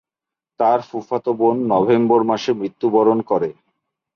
তার ফুফাতো বোন নভেম্বর মাসে মৃত্যুবরণ করে।